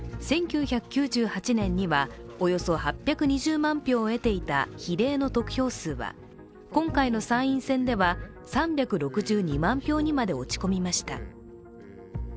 １９９８年にはおよそ８２０万票を得ていた比例の得票数は今回の参院選では３６２万票にまで落ち込みました。